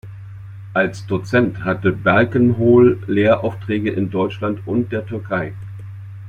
Als Dozent hatte Balkenhol Lehraufträge in Deutschland und der Türkei.